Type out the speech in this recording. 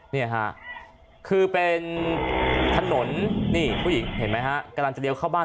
นี่ค่ะคือเป็นถนนนี่ผู้หญิงเห็นไหมฮะกำลังจะเลี้ยวเข้าบ้าน